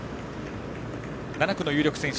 ７区の有力選手。